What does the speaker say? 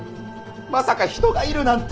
まさか人がいるなんて。